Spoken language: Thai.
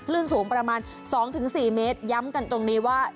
สูงประมาณ๒๔เมตรย้ำกันตรงนี้ว่า